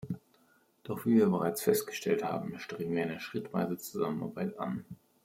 Doch wie wir bereits festgestellt haben, streben wir eine schrittweise Zusammenarbeit an.